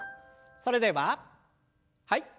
それでははい。